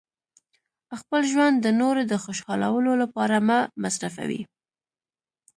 خپل ژوند د نورو د خوشحالولو لپاره مه مصرفوئ.